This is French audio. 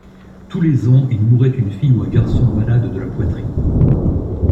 Tous les ans, il mourait une fille ou un garçon malade de la poitrine.